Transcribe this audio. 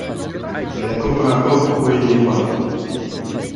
Je ne comprends pas pourquoi il n'est pas là.